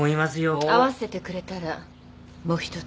会わせてくれたらもひとつ。